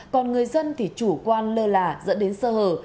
còn người dân thì chủ quan lơ là dẫn đến sơ hở